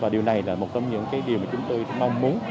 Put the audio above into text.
điều này là một trong những điều chúng tôi mong muốn